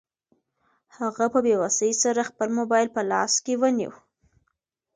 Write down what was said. هغې په بې وسۍ سره خپل موبایل په لاس کې ونیو.